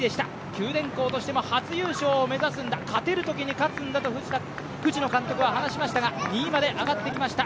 九電工としても初優勝を目指すんだ、勝てるときに勝つんだと藤野監督は話しましたが、２位まで上がってきました。